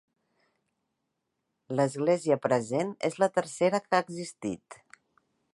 L'església present és la tercera que ha existit.